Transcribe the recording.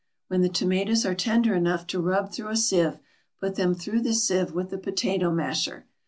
When the tomatoes are tender enough to rub through a sieve, put them through the sieve with a potato masher.